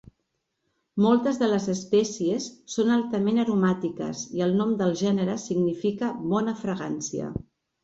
Moltes de les espècies són altament aromàtiques i el nom del gènere significa "bona fragància".